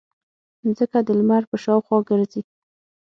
ځمکه د لمر په شاوخوا ګرځي.